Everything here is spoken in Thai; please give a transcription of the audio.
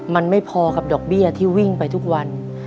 มันไม่พอกับดอกเบี้ยที่วิ่งไปทุกวัน